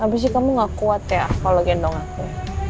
abis itu kamu gak kuat ya kalau gendong aku